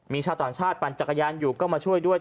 มีชาวต่างชาติปั่นจักรยานอยู่ก็มาช่วยด้วย